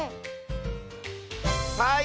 はい！